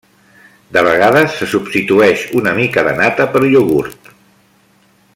De vegades se substitueix una mica de nata per iogurt.